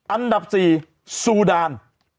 อันดับสี่ซูดาน๖๔๘